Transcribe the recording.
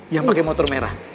yang pake motor merah